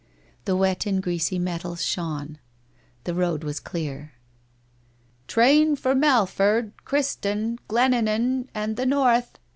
The wet and greasy metals shone .., the road was clear. ...' Train for Melford, Criston, Glenannan, and the North